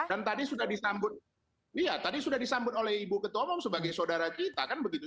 dan tadi sudah disambut iya tadi sudah disambut oleh ibu ketua omong sebagai saudara kita kan begitu